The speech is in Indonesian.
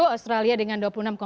australia dengan dua puluh enam